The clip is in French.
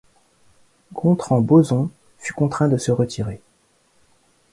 Gontran-Boson fut contraint de se retirer.